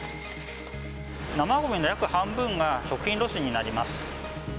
生ごみの約半分が食品ロスになります。